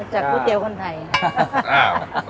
ก๋วยเตี๋ยวคนไทย